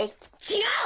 違う！